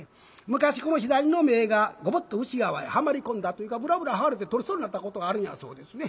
昔この左の目がゴボッと内側へはまり込んだというかブラブラ剥がれて取れそうになったことがあるんやそうですね。